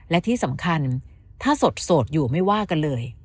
และที่สำคัญถ้าสดอยู่ไม่ว่ากันเลย